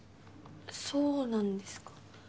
そうなんですか。